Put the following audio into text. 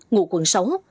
ngụ quận sáu